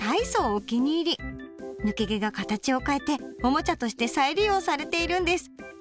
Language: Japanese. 抜け毛が形を変えておもちゃとして再利用されているんです。